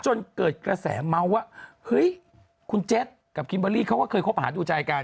จนเกิดกระแสเมาส์ว่าเฮ้ยคุณแจ็คกับคิมเบอร์รี่เขาก็เคยคบหาดูใจกัน